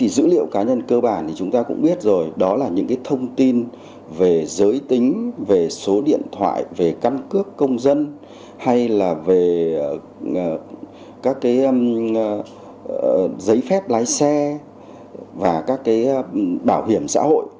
dữ liệu cá nhân cơ bản thì chúng ta cũng biết rồi đó là những thông tin về giới tính về số điện thoại về căn cước công dân hay là về các giấy phép lái xe và các bảo hiểm xã hội